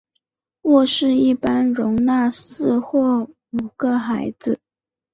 卧室一般容纳四或五个孩子。